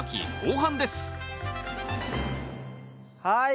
はい